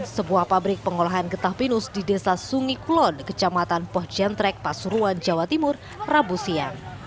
sebuah pabrik pengolahan getah pinus di desa sungi kulon kecamatan poh jentrek pasuruan jawa timur rabu siang